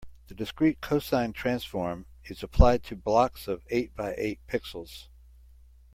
The discrete cosine transform is applied to blocks of eight by eight pixels.